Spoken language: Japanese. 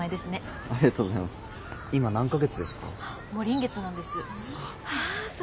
今何か月ですか？